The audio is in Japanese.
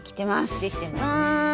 できてますね。